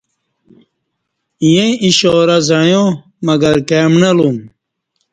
ییں اشارہ زعݩیا مگر کائ مݨہ لُوم